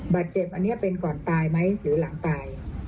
บาดเจ็บอันนี้เป็นก่อนตายไหมหรือหลังตาย